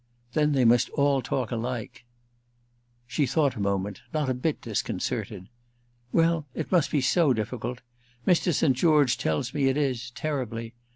"Then they must all talk alike." She thought a moment, not a bit disconcerted. "Well, it must be so difficult. Mr. St. George tells me it is—terribly.